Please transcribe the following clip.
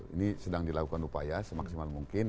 ini sedang dilakukan upaya semaksimal mungkin